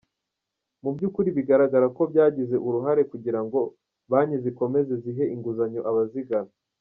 Mu by’ukuri bigaragara ko byagize uruhare kugira ngo banki zikomeze zihe inguzanyo abazigana.